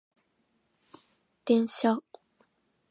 電車